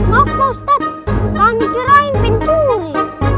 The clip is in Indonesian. maaf pak ustadz kami kirain pencuri